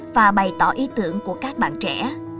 và bày tỏ ý tưởng của các bạn trẻ